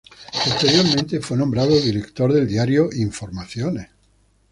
Posteriormente fue nombrado director del diario "Informaciones".